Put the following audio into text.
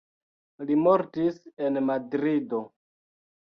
Li mortis en Madrido.